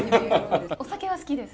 お酒は好きです。